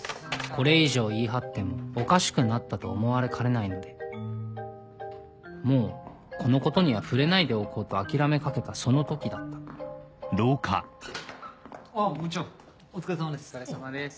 これ以上言い張ってもおかしくなったと思われかねないのでもうこのことには触れないでおこうと諦めかけたその時だったあ部長お疲れさまです。